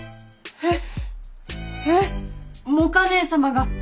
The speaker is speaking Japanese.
えっ！